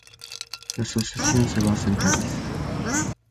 La asociación se basa en París.